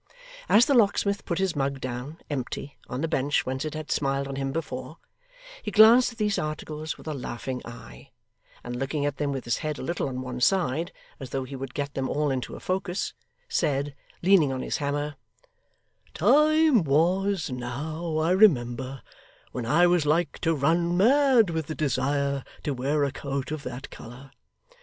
As the locksmith put his mug down, empty, on the bench whence it had smiled on him before, he glanced at these articles with a laughing eye, and looking at them with his head a little on one side, as though he would get them all into a focus, said, leaning on his hammer: 'Time was, now, I remember, when I was like to run mad with the desire to wear a coat of that colour.